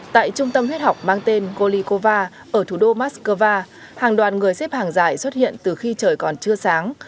tại trung tâm huyết học mang tên golikova ở thủ đô moscow hàng đoàn người xếp hàng dài xuất hiện từ khi trời còn chưa sáng